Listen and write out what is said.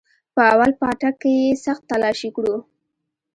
په اول پاټک کښې يې سخت تلاشي كړو.